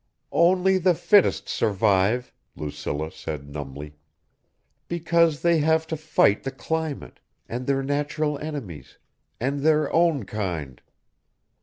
"Only the fittest survive," Lucilla said numbly. "Because they have to fight the climate ... and their natural enemies ... and their own kind."